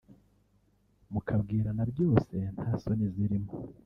mukabwirana byose nta soni zirimo